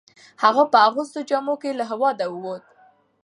هغه په اغوستو جامو کې له هیواده وووت.